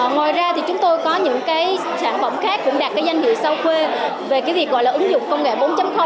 ngoài ra thì chúng tôi có những cái sản phẩm khác cũng đạt cái danh hiệu sao khuê về cái việc gọi là ứng dụng công nghệ bốn